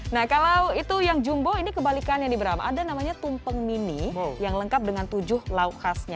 nah kalau itu yang jumbo ini kebalikan yang di bram ada namanya tumpeng mini yang lengkap dengan tujuh lauk khasnya